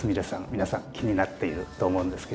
皆さん気になっていると思うんですけれども。